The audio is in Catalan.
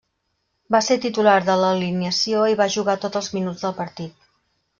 Va ser titular de l'alineació i va jugar tots els minuts del partit.